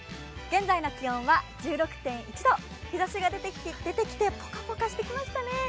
現在の気温は１６．１度、日ざしが出てきてポカポカしてきましたね。